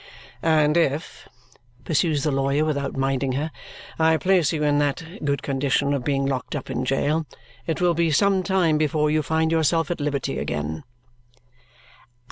"And if," pursues the lawyer without minding her, "I place you in that good condition of being locked up in jail, it will be some time before you find yourself at liberty again."